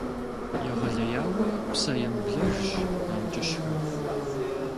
Егъэлеяуэ псэемыблэжщ амкӀыщхэр.